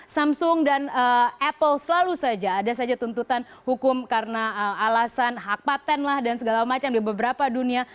samsung dan apple selalu saja ada saja tuntutan hukum karena alasan hak patent lah dan segala macam di beberapa dunia